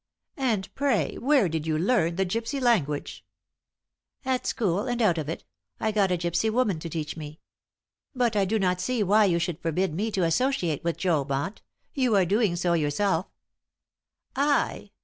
And pray where did you learn the gypsy language?" "At school, and out of it. I got a gypsy woman to teach me. But I do not see why you should forbid me to associate with Job, aunt. You are doing so yourself." "I!"